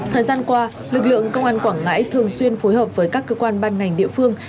thời gian qua lực lượng công an quảng ngãi thường xuyên phối hợp với các cơ quan ban ngành địa phương